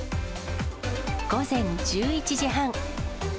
午前１１時半。